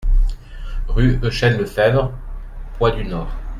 Rue Eugène Lefebvre, Poix-du-Nord